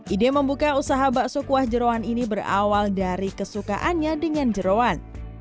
ide membuka usaha bakso kuah jerawan ini berawal dari kesukaannya dengan jerawan